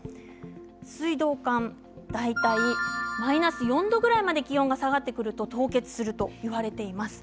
水道管は大体マイナス４度くらいまで気温が下がってくると凍結するといわれています。